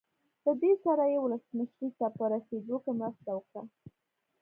له ده سره یې ولسمشرۍ ته په رسېدو کې مرسته وکړه.